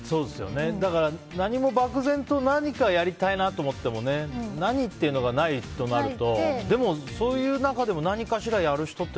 だから、何も漠然と何かやりたいなと思っても何っていうのがないとなるとでも、そういう中でも何かしらやる人って